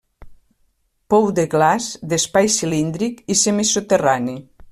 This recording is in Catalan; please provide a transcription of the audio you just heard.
Pou de glaç d'espai cilíndric i semisoterrani.